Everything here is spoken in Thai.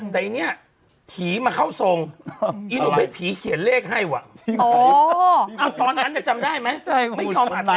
แต่อันนี้พีธ์มาเข้าทรงไอ้หนุ่มให้พีธ์เขียนเลขให้ว่ะที่ไหน